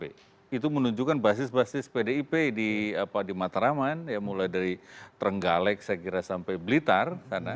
itu menunjukkan basis basis pdip di matraman mulai dari trenggalek saya kira sampai blitar